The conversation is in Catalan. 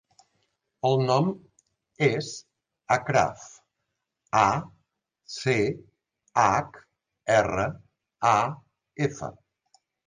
El nom és Achraf: a, ce, hac, erra, a, efa.